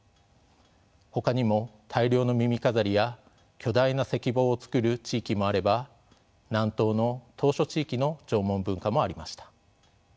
ほかにも大量の耳飾りや巨大な石棒を作る地域もあれば南東の島しょ地域の縄文文化もありました。